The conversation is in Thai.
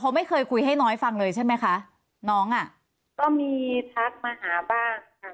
ไม่เคยคุยให้น้อยฟังเลยใช่ไหมคะน้องอ่ะก็มีทักมาหาบ้างค่ะ